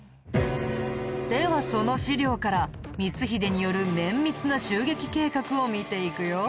ではその史料から光秀による綿密な襲撃計画を見ていくよ。